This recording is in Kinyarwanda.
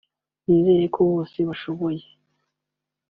nizera ko bose bashoboye